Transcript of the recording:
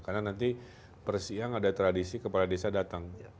karena nanti persiang ada tradisi kepala desa datang